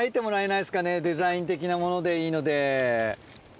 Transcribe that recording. デザイン的なものでいいので。